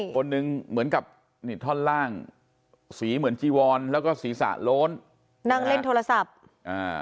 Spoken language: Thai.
คนหนึ่งเหมือนกับนี่ท่อนล่างสีเหมือนจีวอนแล้วก็ศีรษะโล้นนั่งเล่นโทรศัพท์อ่า